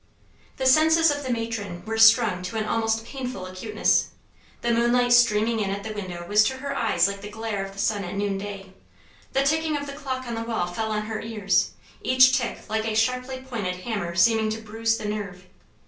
The senses of the matron were strung to an almost painful acuteness. The moonlight streaming in at the window was to her eyes like the glare of the sun at noonday: the ticking of the clock on the wall fell on her ears, each tick like a sharply pointed hammer seeming to bruise the nerve.